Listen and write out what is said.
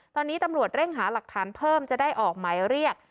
ตอนนี้ตำรวจเร่งหาหลักฐานเพิ่มจะได้ออกหมายเรียก